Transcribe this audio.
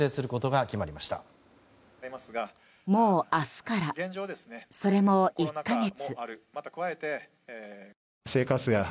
もう明日から、それも１か月。